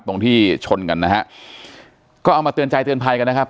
ตรงที่ชนกันนะฮะก็เอามาเตือนใจเตือนภัยกันนะครับ